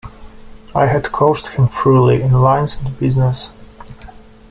I had coached him thoroughly in lines and business.